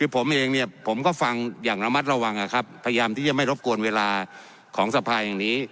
ผมเองเนี่ยผมก็ฟังอย่างระมัดระวังนะครับพยายามที่จะไม่รบกวนเวลาของสภาแห่งนี้